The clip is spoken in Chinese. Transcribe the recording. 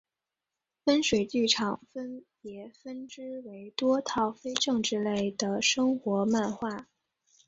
温水剧场分别分支为多套非政治类的生活漫画